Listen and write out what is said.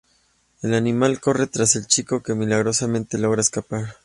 El animal corre tras el chico, que milagrosamente logra escapar.